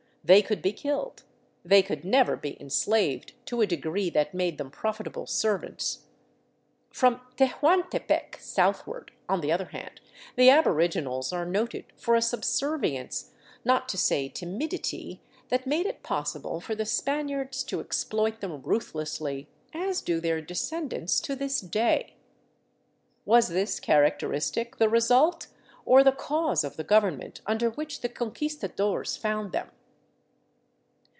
They could be killed ; they could never be enslaved to a degree that made them profitable servants. From Tehuantepec southward, on the other hand, the aboriginals are noted for a subservience, not to say timidity, that made it possible for the Spaniards to exploit them ruthlessly, as do their descendants to this day. Was this characteristic the result or the cause of the govern ment under which the Conquistadores found them?